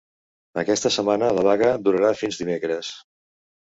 Aquesta setmana la vaga durarà fins dimecres.